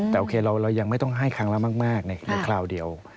แต่โอเคเรายังไม่ต้องให้ครั้งละมากในคราวเดียว